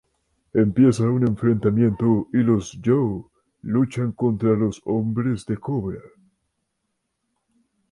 Empieza un enfrentamiento y los Joe luchan contra los hombres de Cobra.